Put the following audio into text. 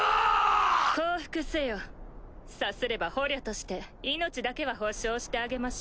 降伏せよさすれば捕虜として命だけは保障してあげましょう。